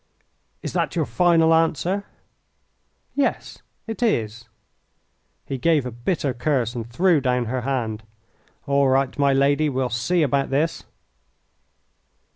"Is that your final answer?" "Yes, it is." He gave a bitter curse and threw down her hand. "All right, my lady, we'll see about this."